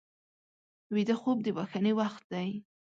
ویده خوب د بښنې وخت دی